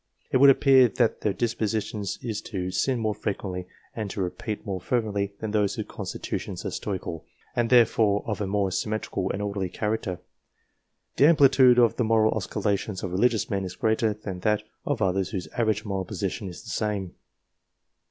It would appear that their disposition is to sin more frequently and to repent more fervently than those whose constitutions are stoical, and therefore of a more symmetrical and orderly character. The am plitude of the moral oscillations of religious men is greater than that of others whose average moral position is the same.